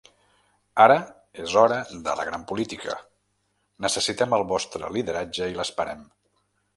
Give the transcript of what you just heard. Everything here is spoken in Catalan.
Ara és hora de la gran política, necessitem el vostre lideratge i l’esperem.